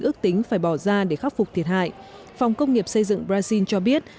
ước tính phải bỏ ra để khắc phục thiệt hại phòng công nghiệp xây dựng brazil cho biết